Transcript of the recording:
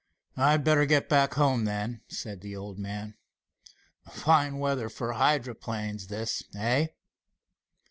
"I'd better get back home, then," said the old man. "Fine weather for hydroplanes this, eh?"